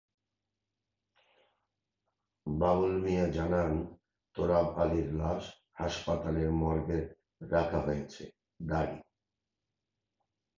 বাবুল মিয়া জানান, তোরাব আলীর লাশ হাসপাতালের মর্গে রাখা হয়েছে।